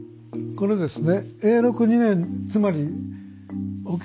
これですね